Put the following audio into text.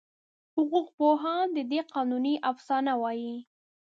حقوقپوهان دې ته قانوني افسانه وایي.